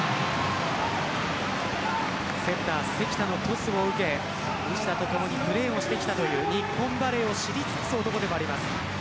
セッター関田のトスを受け西田と共にプレーをしてきた日本バレーを知り尽くす男です。